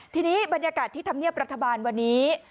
ทีนี้บรรยากาศที่ธรรมเนียบรัฐบาลวันนี้